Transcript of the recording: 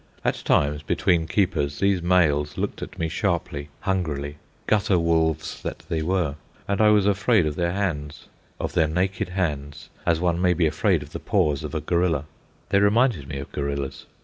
At times, between keepers, these males looked at me sharply, hungrily, gutter wolves that they were, and I was afraid of their hands, of their naked hands, as one may be afraid of the paws of a gorilla. They reminded me of gorillas.